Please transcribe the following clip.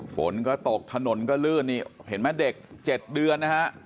ฝนก็ตกถนนก็ลื่นนี่เห็นไหมเด็ก๗เดือนนะฮะ